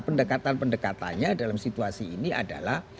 pendekatan pendekatannya dalam situasi ini adalah